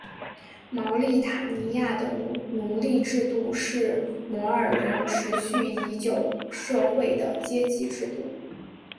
茅利塔尼亚的奴隶制度是摩尔人持续已久社会的阶级制度。